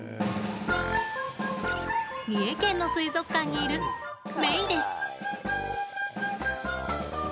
三重県の水族館にいるメイです。